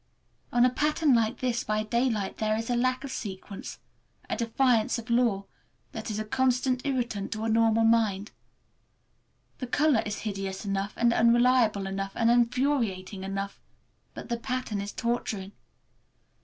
On a pattern like this, by daylight, there is a lack of sequence, a defiance of law, that is a constant irritant to a normal mind. The color is hideous enough, and unreliable enough, and infuriating enough, but the pattern is torturing.